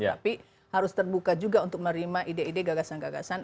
tapi harus terbuka juga untuk menerima ide ide gagasan gagasan